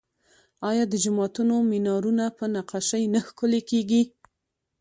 آیا د جوماتونو مینارونه په نقاشۍ نه ښکلي کیږي؟